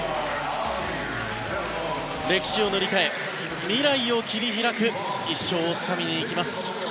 歴史を塗り替え未来を切り開く１勝をつかみに行きます。